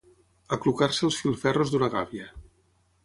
Aclucar-se els filferros d'una gàbia.